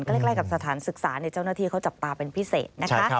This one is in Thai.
ใกล้กับสถานศึกษาเจ้าหน้าที่เขาจับตาเป็นพิเศษนะคะ